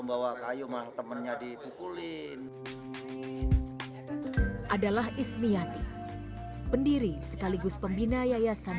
bawa kayu mah temennya dipukulin adalah ismiati pendiri sekaligus pembina yayasan